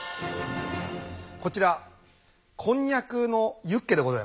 こちらこんにゃくのユッケでございます。